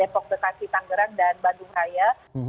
jangan lupa juga di jalan gerak dan bandung raya